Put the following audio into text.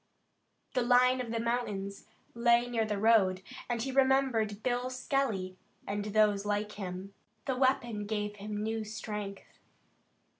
The line of the mountains lay near the road, and he remembered Bill Skelly and those like him. The weapon gave him new strength.